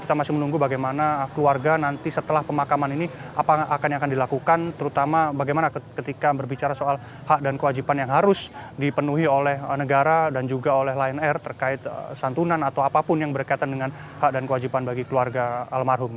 kita masih menunggu bagaimana keluarga nanti setelah pemakaman ini apa yang akan dilakukan terutama bagaimana ketika berbicara soal hak dan kewajiban yang harus dipenuhi oleh negara dan juga oleh lion air terkait santunan atau apapun yang berkaitan dengan hak dan kewajiban bagi keluarga almarhum